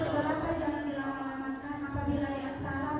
tolong segera jangan dilawang lawangkan apabila yang salah